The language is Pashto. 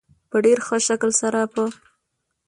په ډېر ښه شکل سره په